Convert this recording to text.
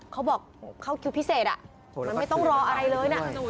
เขาบอกเข้าคิวพิเศษมันไม่ต้องรออะไรเลยนะ